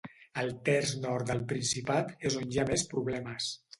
El terç nord del Principat és on hi ha més problemes.